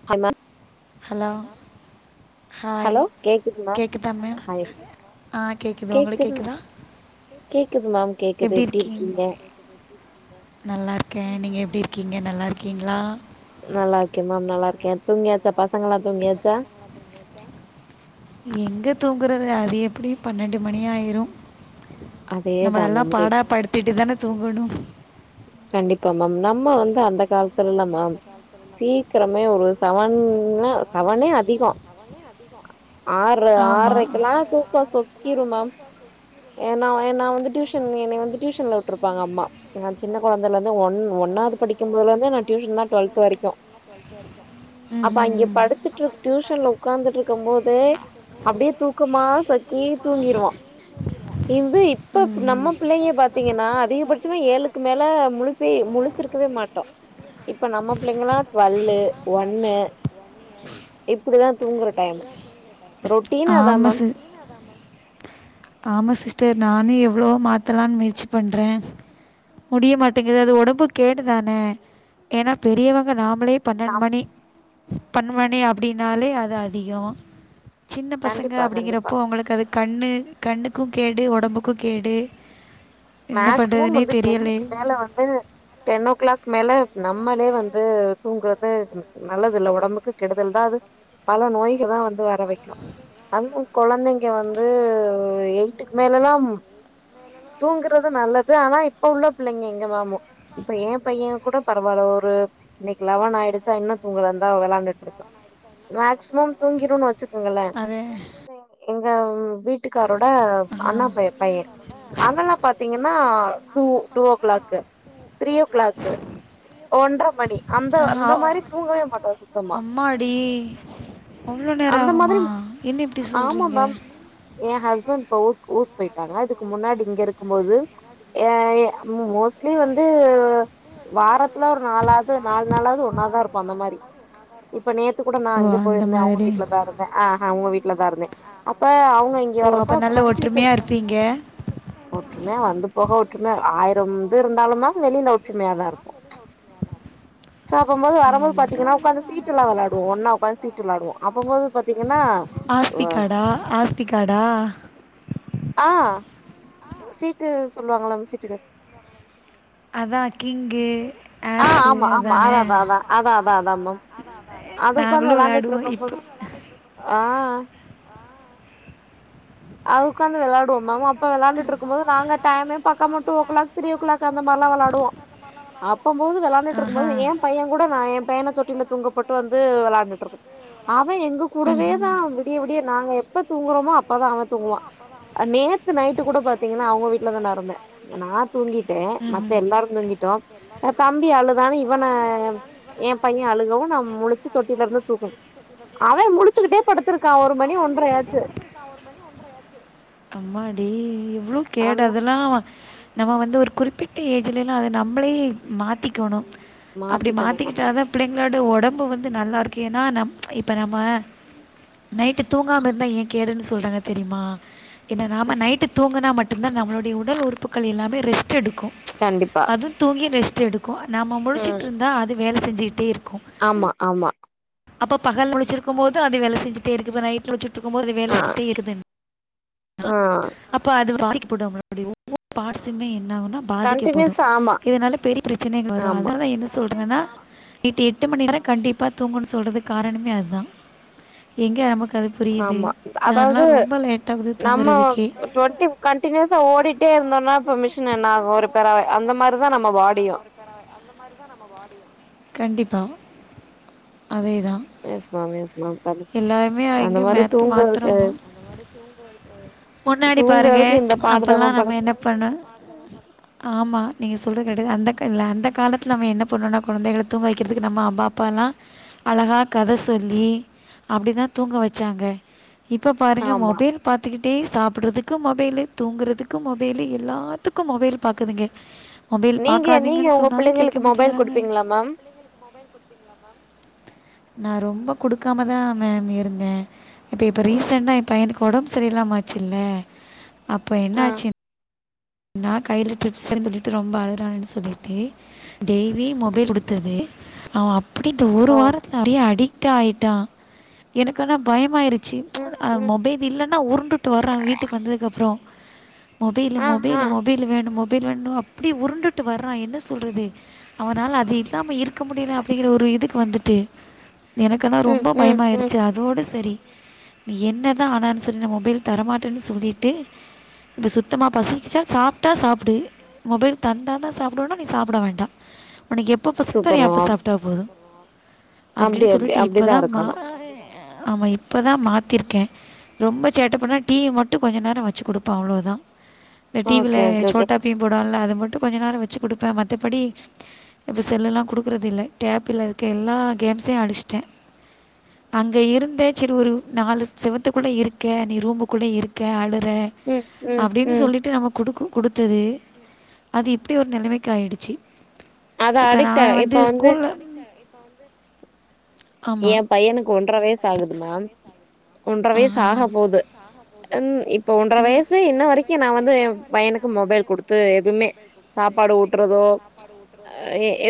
[unintelligible] hello hi கேக்குதா ma'am ஆ கேக்குது உங்களுக்கு கேக்குதா கேக்குது மேம் கேக்குது எப்டி இருக்கீங்க நல்லார்கே நீங்க எப்டி இருக்கீங்க நல்லா இருக்கீங்ளா நல்லாருக்கே மேம் நல்லாருக்கே தூங்கியாச்சா பசங்களா தூங்கியாச்சா எங்க தூங்குறதுக அது எப்டியு பன்னெண்டு மணி ஆய்ரு நம்மளெல்லா பாடா படுத்திட்டு தான தூங்கணு கண்டிப்பா மேம் நம்ம வந்து அந்த காலத்துலலா மேம் சீக்ரமே ஒரு செவன்னே செவனே அதிகோ ஆரு ஆர்ரைக்கெலா தூக்கோ சொ க்கீரு மேம் ஏனா ஏனா ந வந்து டியூஷன் என்ன வந்து டியூஷன்ல வுட்ருப்பாங்க அம்மா சின்ன கொழந்தைல இருந்து ஒன் ஒன்னாது படிக்கு போதுலருந்தே நா டியூஷன் தா டுவெல்த் வரைக்கு அப்ப அங்கே படிச்சிட்டு டியூஷன்ல உக்காந்துட்ருக்கும்போதே அப்டியே தூக் க்குமா சொக்கி தூங்கிருவா இந்து இப்ப நம்ம பிள்ளேங்கள பாத்தீங்கன்னா அதிகபட்சமா ஏழு க்கு மேல முழுச்சி முழுச்சிருக்கவே மாட்டோ இப்ப நம்ம பிள்ளைங்கலா டுவல்லு ஒண்ணு இப்டிதா தூங்குற டைம் ரொட்டீனா அதா மேம் ஆமா சிஸ்டர் நானு எவ்ளோ மாத்தலானு முயற்சி பண்றே முடிய மாட்டேங்குது அது ஒடம்புக்கு கேடுதானே ஏனா பெரியவங்க நாமளே பன்னெண்டு மணி பன்னென் மணி அப்டினாலே அது அதிகோ சின்ன பசங்க அப்டிங்கறப்போ அவுங்களுக்கு அது கண்ணு கண்ணுக்கு கேடு ஒடம்புக்கு கேடு மேக்சிமம் வந்து டென்னுக்கு மேல வந்து டென் ஓ கிளாக் மேல நம்மளே வந்து தூங்குறது நல்லது இல்ல ஒடம்புக்கு கெடுதல் தா அது பல நோய்க தா வந்து வர வைக்கு அதுவு கொழந்தைங்க வந்து எயட்டுக்கு மேலலா தூங்குறது நல்லது ஆனா இப்ப உள்ள புள்ளைங்க எங்க மேம் இப்ப ஏ பைய்யே கூட பரவால்ல ஒரு இன்னக்கி லெவன் ஆய்டுசா இன்னு தூங்கல இந்தா வெளாண்டுட்ருக்கா மேக்சிமம் தூங்கிருனு வச்சு கோங்களே எங்க வீட்டுக்காரோட அண்ணா பை பைய்யே அவுங்க பாத்தீங்கன்னா two two o'clock three o'clock ஒன்றர மணி அந்த அந்த மாரி தூங்கவே மாட்டா சுத்தமா அவ்ளோ நேரோ ஆகுமா என்ன இப்டி சொல்றீங்க எ ஹஸ்பண்ட் இப்ப ஊர்க் ஊர்க்கு போயிட்டாங்க அதுக்கு முன்னாடி இங்க இருக்கு போது எ மோஸ்ட்லி வந்து வாரத்துல ஒரு நாளாது நாலு நாளாது ஒன்னாதா இருப்போ அந்த மாரி இப்ப நேத்து கூட நா அங்க போய்ருந்த அவ்ங்க வீட்ல தா இருந்த அ அ அவ்ங்க வீட்ல தா இருந்த அப்ப அவுங்க இங்க வர்றப்ப நா சிட் ப்பீங்க ஒற்றும வந்து போக ஒற்றும ஆயிரோம் இது இருந்தாலு மேம் வெளில ஒற்றுமயாதா இருப்போ சா ஆப்பும்போது வரும்போது பாத்தீங்கன்னா ஒக்காந்து சீட்டுலா வெளாடுவோ ஒன்னா உக்காந்து சீட்டு டு விளயாடுவோ அப்பம்போது பாத்தீங்கன்னா அ ஆ அஸ் க்கடா ஆ சிட்டு சொல்லுவாங்கள்ள சிட்டுக்கு அதா கிங்கு ஆ ஆமா ஆமா அதா அதாஅதாஅதா அதாஅதாஅதா மேம் அது உக்காந்து விளாண்டுட்ருக்கு போது ஆ அது உக்காந்து விளயாடுவோ மேம் அ அப்ப விளாண்டுட்டு இருக்குபோது நாங்க டைமே பாக்காம two o'clock three o'clock அந்த மாரிலா வெளயாடுவோ அப்பம்போது விளாண்டுட்ருக்கும்போது ஏ பைய்யே கூட நா ஏ பைய்யன தொட்டில்ல தூங்கப்போட்டு வந்து வெளாண்டுட்டு இருக்க அவே எங்க கூ கூடவே தா விடிய விடிய நாங்க எப்ப தூங்குறோமோ அப்பதா அவ தூங்குவா நேத்து நைட்டு கூட பாத்தீங்னா அவ்க வீட்ல தா நா இருந்த நா தூங்கிட்ட மத்த எல்லாரு தூங்கிட்டோ அ தம்பி அழுதானு இவன எ பைய அழுகவு நா முழிச்சி தொட்டில இருந்து தூக்ணு அவே முடிச்சுக்கிட்டே படுத்ருக்கா ஒரு மணி ஒன்ற ஆச்சு ஒரு மணி ஒன்ர ஆச்சி அம்மாடி எவ்ளோ கேடு அதெல்லா அ நம்ம வந்து ஒரு குறிப்பிட்ட ஏஜ்லலெல்லா நம்ளே மாத்திக்கோணு அப்டி மாத்திக்கிட்டாதா பிள்ளைங்ளோட ஒடம்பு வந்து நல்லா இருக்கு ஏனா நம் இப்ப நாம நைட்டு தூங்காம இருந்தா ஏ கேடுன்னு சொல்றாங்க தெரிமா இத நாம நைட்டு தூங்குனா மட்டு தா நம்ளுடைய உடல் உறுப்புகள் எல்லாமே ரெஸ்ட் எடுக்கு கண்டிப்பா அது தூங்கி ரெஸ்ட் எடுக்கு நாம முழிச்சிட்ருந்தா அது வேல செஞ்சிடே இருக்கு ஆமா ஆமா அப்போ பகல முழிச்சிருக்கு போது அது வேல செஞ்சிட்டே இருக்கு இப்ப நைட்ல முழிச்சிட்ருக்கு போது வேல செஞ்சிட்டே இருக்குதுன்னா ஆ அப்ப அது [unintelligible] ஒவ்வொரு பாட்ஸுமே என்ன ஆவுனா பாதிக்கப்படு இதனால பெரிய பிரச்சனைகள் வரு அதனாலதா என்ன சொல்றனா நைட்டு எட்டு மணி நேரோ கண்டிப்பா தூங்குன் சொல்றது காரணமே அதா எங்க நமக் அது ஆமா அதாவ்து நம்ம ஒரு ட்வெண்ட்டி கண்டின்யூஸா ஓடிட்டே இருந்தோனா இப்ப மிஷின் என்ன ஆகு ஒரு பெற அந்த மாரி தா நம்ம பாடியு பெற அந்த மாரி தா நம்ம பாடியு கண்டிப்பா அதேதா எல்லாருமே இங்க மேத் மாத்றோமோ முன்னாடி பாருங்க அப்பெல்லா நம்ம என்னப் பண்ணு ஆமா நீங்க சொல்றது கரெக்டுதா அந்தக் இல்ல அந்த காலத்ல நம்ம என்ன பண்ணுனா கு கொழந்தைகள தூங்க வைக்கிறதுக்கு நம்ம அம்மா அப்பால்லா அழகா கத சொல்லி அப்டிதா தூங்க வச்சாங்க இப்போ பாருங்க மொபைல் பாத்துக்கிட்டே சாப்புட்றதுக்கு மொபைலு தூங்குறதுக்கு மொபைலு எல்லாத்துக்கு மொபைலு பாக்குதுங்க நீங்க நீங்க உங்க பிள்ளைங்களுக்கு மொபைல் குடுப்பீங்ளா மேம் நா ரொம்ப குடுக்காமதா மேம் இருந்த இப்ப இப்ப ரீசண்டா எ பையனுக்கு ஒடம்பு சரி இல்லாம ஆச்சுல அப்ப என்ன ஆச்சு நா கைல ட்ரிப்ஸ் இது பண்ணிட்டு ரொம்ப அழுறான்னு சொல்லிடே டெய்லி மொபைல் குடுத்ததே அவ அப்டி இந்த ஒரு வாரத்துல அப்டியே அடிக்ட் ஆயிட்டா எனக்கு ஆனா பயமாயிரு ச்சி மொபைல் இல்லன்னா உருண்டுட்டு வர வீட்டுக்கு வந்ததுக் அப்றோ வேலு மொபைலு வேணு மொபை லு வேண்ணு அப்டி உருண்டுட்டு வர்றா என்ன சொல்றது அவனால அது இல்லாம இருக் இருக்க முடில அப்டிங்ற ஒரு இதுக்கு வந்துட்டு எனக்குனா ரொம்ப பயமாயிரு ச்சி அதோடு சரி நீ என்னதா ஆனாலு சரி நா மொபைல் தரமாட்டனு சொல்லிட்டு இப்ப சுத்தமா பசி ச்சா சாப்ட்டா சாப்டு மொபைல் தந்தா தா சாப்டுவேனா நீ சாப்ட வேண்டா உனக் எப் எப்போ பசிக்குதோ நீஅப்போ சாப்டா போது அப்டின் சொல்லிட்டு இப்பதா மா ஆமா இப்பதா மாத்திர்க்கே ரொம்ப சேட்ட பண்ண டீவி மட்டு கொஞ்சோ நேரோ வச்சி குடுப்ப அவ்ளோதா இந்த டீவில சோட்டா பீம் போடுவான்ல அது மட்டு கொஞ்ச நேரோ வச்சி குடுப்ப மத்தபடி இப்ப செல்லுலா குடுக்றது இல்ல டேப்புல இருக்க எல்லா கேம்ஸையு அடிச்ட அங்க இருந்ல செர் ஒரு நாலு செவுத்துக்குள்ள இருக்க நீ ரூமுக்குள்ள இருக்க அழுற அப்டின்னு சொல்லிட்டு நம்ம குடுகு குடுத்தது அது இப்டி ஒரு நெலமைக்கு ஆய்டுச்சி இப்ப நா வந்து ஸ்கூல்ல எ பையனுக்கு ஒன்ற வயசு ஆகுது மேம் ஒன்ற வயசு ஆக போகுது ன் இப்ப ஒன்ற வயசு இன்ன வரைக்கு நா வந்து பையனுக்கு மொபைல் கொடுத்து எதுவுமே சாப்பாடு ஊட்றதோ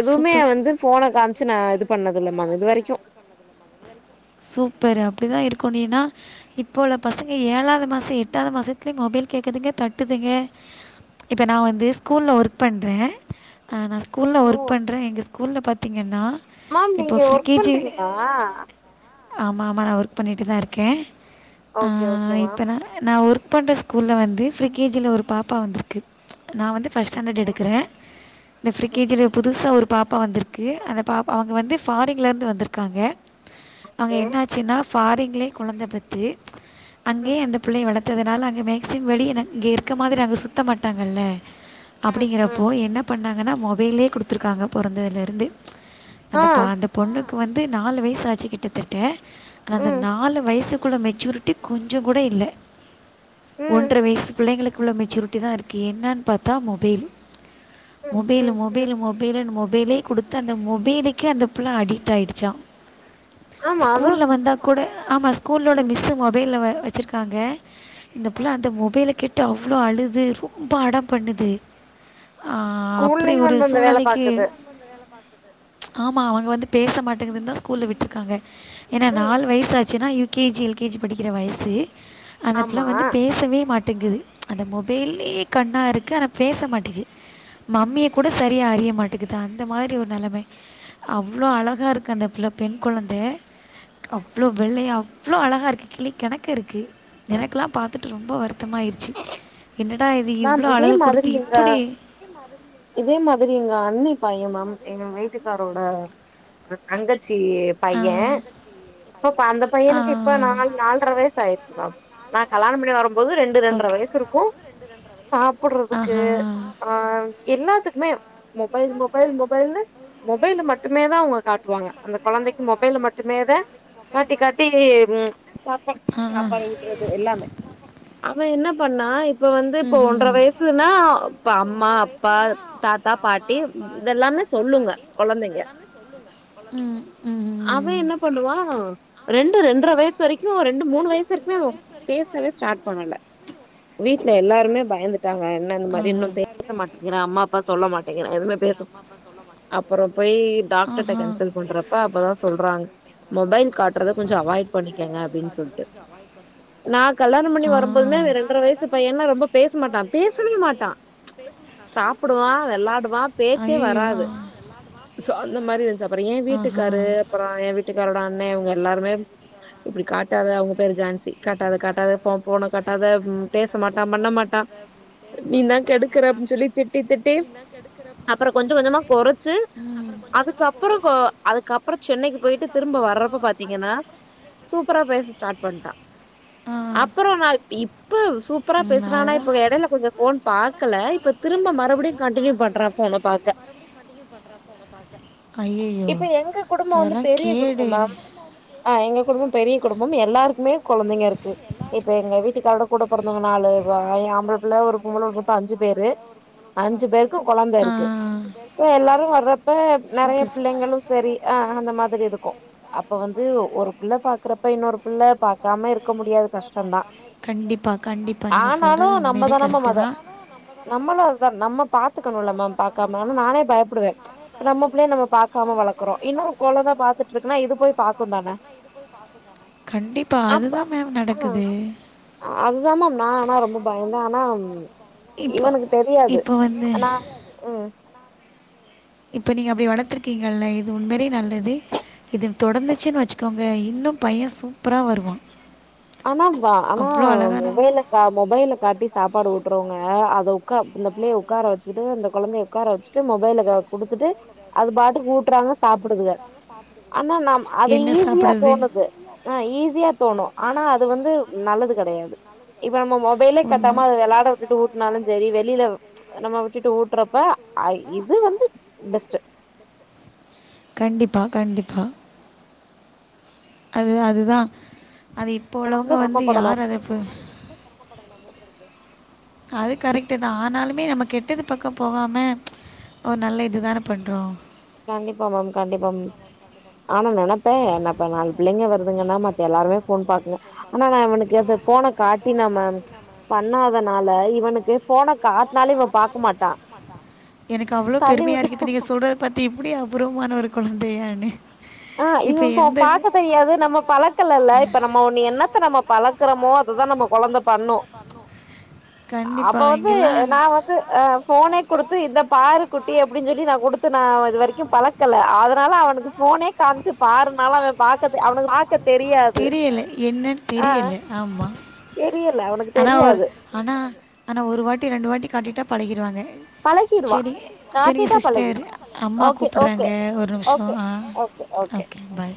எதுவுமே வந்து ஃபோன காம்ச்சு நா இது பண்ணது இல்ல மேம் இது வரைக்கு சூப்பரு அப்டிதா இருக்கனு ஏன்னா இப்போ உள்ள பசங்க ஏழாவது மாசொ எட்டாது மாசத்துலே மொபைல் கேட்குதுங்க தட்டுதுங்கெ இப்ப நா வந்து ஸ்கூல்ல ஒர்க் பண்றே அ நா ஸ்கூல்ல ஒர்க் பண்றே எங்க ஸ்கூல்ல பாத்திங்கன்னா மேம் நீங்க ஒர்க் பண்றீங்ளா ஆமா ஆமா நா ஒர்க் பண்ணிட்டு தா இருக்கே ஆ இப்ப நா ஒர்க் பண்ற ஸ்கூல்ல வந்து ஃப்ரி கே ஜி ல ஒரு பாப்பா வந்துருக்கு நா வந்து ஃபஸ்ட் ஸ்டாண்டர்ட் எடுக்குறே இந்த ஃபிரி கே ஜி ல புதுசா ஒரு பாப்பா வந்துருக்கு அந்த பாப்பா அவுங்க வந்து ஃபாரின்ல இருந்து வந்துருக்காங்க அவுங்க என்னா ச்சுன்னா ஃபாரின்லையே கொழந்த பெத்து அங்கே அந்த புள்ளைய வளத் அதுனால அங்கெ மேக்ஸிமம் வெளிய ந இங்கே இருக்க மாதிரி அங்க சுத்தமாட்டாங்கள்ல் அப்புடிங்கிறப்போ என்ன பண்ணாங்கன்னா மொபைலே குடுத்துருக்காங்க பொறந்ததுல இருந்து அந்த பா அந்த பொண்ணுக்கு வந்து நாலு வயச ஆச்சு கிட்ட தட்ட ஆனா அந்த நாலு வயசுக்குள்ள மெச்சூரிட்டி கொஞ்சொ கூட இல்ல ஒன்ற வயசு பிள்ளைங்களுக்குள்ள மெச்சூரிட்டி தா இருக்கு என்னன்னு பாத்தா மொபைல் மொபைலு மொபைலு மொபைலுன் மொபைலே குடுத்து அந்த மொபைலுக்கே அந்த புள்ளை அடிக்ட் ஆயிடுச்சா ஸ்கூல்ல வந்தா கூட ஆமா ஸ்கூல்லோட மிஸ்ஸு மொபைல வச்சுருக்காங்க இந்த புள்ள அந்த மொபைல கேட்டு அவ்ளோ அழுது ரொம்ப அடம் பண்ணுது ஆ அப்டி ஒரு சூழ்நெலைக்கி ஆமா அவுங்க வந்து பேச மாட்டேங்குதுன்னு தா ஸ்கூல்ல விட்டு க்காங்க ஏன்னா நாலு வயசு ஆச்சுன்னா U K G L K G படிக்கிற வயசு அந்தப் புள்ள வந்து பேசவே மாட்டெங்கிது அந்த மொபைல்லே கண்ணா இருக்கு ஆனா பேச மாட்டெங்கு மம்மிய கூட சரியா அறிய மாட்டெக்குது அந்த மாரி ஒரு நெலமை அவ்ளோ அழகா இருக்கு அந்த பிள்ள பெண் கொழந்த அவ்ளோ வெள்ளையா அவ்ளோ அழகா இருக்கு கிளிக் கெணக்கு இருக்கு எனக்குலா பாத்துட்டு ரொம்ப வருத்தமாயிருச்சு என்னடா இது இவ்ளோ அழக குடுத்து இப்புடி இதே மாதிரி எங்க அன்னி பையெ மேம் எங்க வீட்டுக்காரோட தங்கச்சி பையெ சோ இப்ப அந்த பையனுக்கு இப்ப நாலு நால்ற வயசு ஆய்ர்ச்சு மேம் நா கல்லாணொ பண்ணி வரும்போது ரெண்டு ரெண்ட்ற வயசு இருக்கு சாப்புட்றதுக்கு ஆ எல்லாத்துக்குமே மொபைல் மொபைல் மொபைல்னு மொபைல மட்டுமே தா அவுங்க காட்டுவாங்க அந்த கொழந்தக்கி மொபைல்ல மட்டுமே தே காட்டி காட்டி ம் சாப்பாடு சாப்பாடு ஊட்ரது எல்லாமே அவெ என்ன பண்ணா இப்ப வந் து இப்ப ஒன்ற வயசுனா இப்ப அம்மா அப்பா தாத்தா பாட்டி இதெல்லாமே சொல்லுங்க ம் ம் ம் இவெ என்ன பண்ணுவா ரெண்டு ரெண்ற வயசு வரைக் ரெண்டு ரெண்ற வயசு வரைக்கு ரெண்டு மூனு வயசு வரைக்குமே பேசவே ஸ்டாட் பயந்துட்டாங்க என்ன இந்த மாரி இன்னு பேச மாட்டேங்கிறா அம்மா அப்பா சொல்ல மாட்டெங்கிறா எதுவுமே பேச அப்பறோ போயி டாக்டர்ட்ட கன்சல் பண்றப்ப அப்பதா சொல்றாங்க மொபைல் காட்றத கொஞ்சொ அவாய்ட் பண்ணிக்கங்க அப்டின் சொல்ட்டு நா கல்லாணம் பண்ணி வரும்போதுமே ரெண்ற வயசு பையென்னா ரொம்ப பேச மாட்டான் பேசவே மாட்டா சாப்பிடுவா வெளாடுவா பேச்சே வராது சோ அந்த மாரி இருந்துச்சு அப்புற ஏ வீட்டுக்காரு அப்பறொ எ வீட்டுக்காரோட அண்ணே இவுங்க எல்லாருமே இப்புடி காட்டாத அவங்க பேரு ஜான்சி காட்டாத காட்டாத போ போன காட்டாத பேச மாட்டா பண்ண மாட் நா நீ தா கெடுக்குற அப்டினு சொல்லி திட்டி திட்டி அப்றோ கொஞ்ச கொஞ்சமா கொறச்சு ம் அதுக்கப்புறோ கோ அதுக்கப்றோ சென்னைக்கு போயிட்டு திரும்ப வர்றப்ப பாத்தீங்கனா சூப்பரா பேச ஸ்டாட் பண்ட்டா அப்பறோ நா இப்ப சூப்பரா பேசுறானாப் இப்பங்க எடைல கொஞ்சோ ஃபோன் பாக்கல இப்ப திரும்ப மறுபடியு கண்டினியூ பண்றா ஃபோன பாக்க இப்ப எங்க குடும்போ வந்து பெரிய குடும்போ மேம் ஆ எங்க குடும்போ பெரிய குடும்போ எல்லாருக்குமே கொழந்தைங்க இருக்கு இப்ப எங்க வீட்டுக்காரோட கூட பொறந்தவங்க நாலு வகயாம் இந்தப்புள்ள ஒரு பொம்பள ஒரு மொத்தோ அஞ்சு பேரு அஞ்சு பேருக்கு கொழந்த இருக்கு இப்ப எல்லாரு வர்றப் இப்ப நெறையா பிள்ளைங்களு சரி அ அ அந்த மாரி இருக்கு அப்ப வந்து ஒரு பு புள்ள பாக்குறப்ப இன்னொரு புள்ள பாக் காம இருக்க முடியாது கஷ்டந்தா ஆனாலு நம்மதான மேம் அத நம்மளு அதுதா நம்ம பாத்துக்கணுல மேம் பாக்காம ஆனா நானே பயப்டுவே இப்ப நம்ம புள்ளய நம்ம பாத் நம்ம புள்ளய நம்ம பாக்காம வளக்குறோ இன்னொரு புள்ளய பாத்துட்ருக்குனா இது போய் பாத்துக்கனு கண்டிப்பா அதுதா மேம் நடக்குது அதுதா மேம் நா ஆனா ரொம்ப பய என்ன ஆனா இவனுக்கு தெரியாது ஆனா ம் இப்ப நீங்க அப்டி வளத்துருக்கீங்கல்ல இது உண்மேலே நல்லது இது தொடந்துச்சினு வச்சுக்கோங்க இன்னு பய்யே சூப்பரா வருவா ஆனா பா ஆனா மொபைல பா மொபைல காட்டி சாப்பாடு ஊட்றவங்க அத உக்கா இந்த பிள்ளய உக்கார வச்சுட்டு இந்த கொழந்தய உக்கார வச்சுட்டு மொபைல க குடுத்துட்டு அது பாட்டுக்கு ஊட் றாங்க சாப்பிடுதுக ஆனா நம் அது ஈஸியா தோணுது ஆ ஈஸியா தோணு ஆனா அது வந்து நல்லது கெடையாது இப்ப நம்ம மொபைலே காட்டாம அத வெளாட விட்டுட்டு ஊட்னாலு செரி வெளில நம்ம விட்டுட்டு ஊட்றப்ப அ இது வந்து பெஸ்ட் கண்டிப்பா கண்டிப்பா அது அதுதா அது இப்போ உள்ளவங்க வந்து யார் அதப்ப அது கரெக்டு தா ஆனாலுமே நம்ம கெட்டது பக்கோ போகாம ஒரு நல்ல இதுதானே பண்றோ கண்டிப்பா மேம் கண்டிப்பா மேம் ஆனா நெனப்பே என்னப்ப நாலு பிள்ளைங்க வருதுங்கன்னா மத்த எல்லாருமே ஃபோன் பாக்குது ஆனா நா இவனுக்கு அத ஃபோன காட்டி நம்ம பண்ணாதனால இவனுக்கு ஃபோன காட்னாலே இவெ எனக்கு அவ்ளோ பெருமையா இருக்குஇப்ப நீங்க சொல்ற பாத்து இப்டி அபூர்வமான ஒரு கொழந்தயானு ஆ இவ இப்ப பாக்க தெரியாது நம்ம பழக்கலேல இப்ப நம்ம ஒன்னு எண்ணத்த நம்ம பழக்கறமோ அததா நம்ம கொழந்த பண்ணு அப்ப வந்து நா வந்து அ ஃபோனே குடுத்து இந்த பாரு குட்டி அப்டினு சொல்லி நா குடுத்து நா இதுவரைக்கு பழக்கல அதனால அவனுக்கு ஃபோனே காமிச்சு பாருனாலு அவே பாக்க தெ அவனுக்கு பாக்க தெரியாது அ தெரியல அவனுக்கு தெரியாது ஆனா ஆனா ஒரு வாட்டி ரெண்டு வாட்டி காட்டிட்டா பழகிருவாங்க செரி செரிங்க சிஸ்டர் அம்மா கூப்பிட்றாங்க ஒரு நிமிஷோ ஆ ஓகே பாய்